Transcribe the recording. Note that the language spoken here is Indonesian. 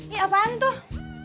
ih ih apaan tuh